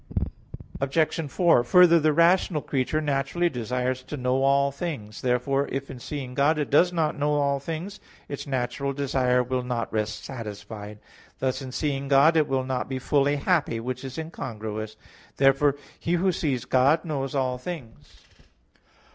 Obj. 4: Further, the rational creature naturally desires to know all things. Therefore if in seeing God it does not know all things, its natural desire will not rest satisfied; thus, in seeing God it will not be fully happy; which is incongruous. Therefore he who sees God knows all things.